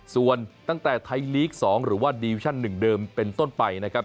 ส่วนตั้งแต่ไทยลีก๒หรือว่าดีวิชั่น๑เดิมเป็นต้นไปนะครับ